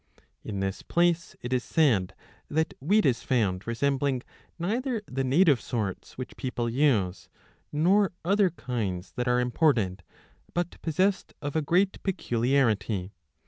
In this place it is said that wheat is found, resembling neither the native sorts, which people use, nor other kinds that are imported, but possessed of a great peculiarity.